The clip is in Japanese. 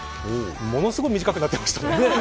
ものすごく短くなってました。